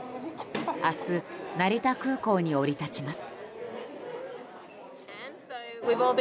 明日、成田空港に降り立ちます。